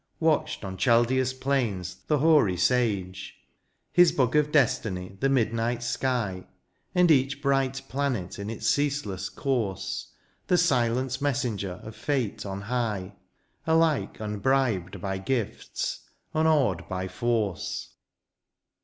Watched on Chaldeans plains the hoary sage ; His book of destiny the midnight sky. And each bright planet in its ceaseless course The silent messenger of fate on high. Alike unbribed by gifts, unawed by force.